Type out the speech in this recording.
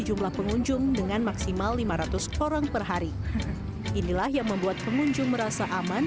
jumlah pengunjung dengan maksimal lima ratus orang per hari inilah yang membuat pengunjung merasa aman